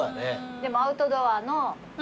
でもアウトドアの。